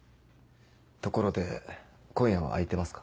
ところで今夜は空いてますか？